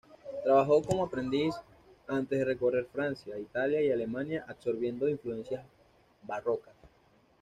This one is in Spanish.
Trabajó como aprendiz antes de recorrer Francia, Italia y Alemania absorbiendo influencias barrocas.